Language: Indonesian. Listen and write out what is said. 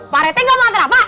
pak rt gak mau nganter rafa